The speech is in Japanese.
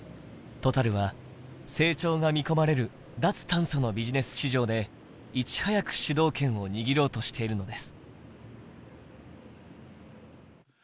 トタルは成長が見込まれる脱炭素のビジネス市場でいち早く主導権を握ろうとしているのです。